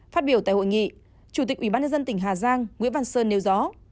phát biểu tại hội nghị chủ tịch ubnd tỉnh hà giang nguyễn văn sơn nêu rõ